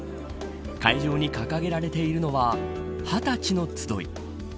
会場に掲げられているのははたちの集い。